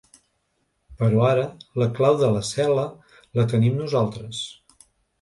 Però ara la clau de la cel•la la tenim nosaltres.